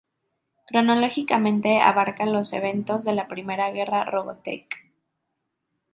Cronológicamente abarca los eventos de la Primera Guerra Robotech.